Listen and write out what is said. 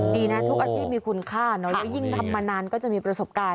ดีนะทุกอาชีพมีคุณค่าเนอะแล้วยิ่งทำมานานก็จะมีประสบการณ์